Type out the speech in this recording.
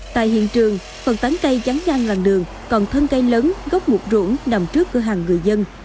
tại hiện trường phần tán cây dắn ngang đường còn thân cây lớn gốc một ruộng nằm trước cửa hàng người dân